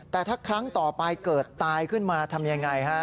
แต่ถ้าครั้งต่อไปเกิดตายขึ้นมาทำยังไงฮะ